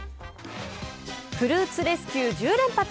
「フルーツレスキュー１０連発」。